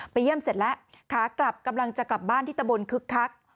เยี่ยมเสร็จแล้วขากลับกำลังจะกลับบ้านที่ตะบนคึกคัก